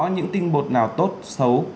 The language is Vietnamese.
những tinh bột nào tốt xấu